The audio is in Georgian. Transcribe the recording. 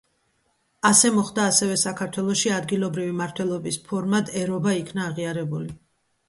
ასე მოხდა ასევე საქართველოში, ადგილობრივი მმართველობის ფორმად ერობა იქნა აღიარებული.